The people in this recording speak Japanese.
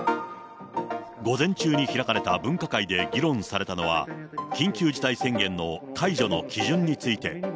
午前中に開かれた分科会で議論されたのは、緊急事態宣言の解除の基準について。